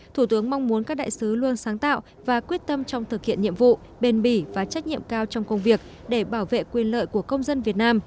thủ tướng mong muốn các đại sứ luôn sáng tạo và quyết tâm trong thực hiện nhiệm vụ bền bỉ và trách nhiệm cao trong công việc để bảo vệ quyền lợi của công dân việt nam